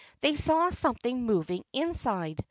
They saw something moving inside.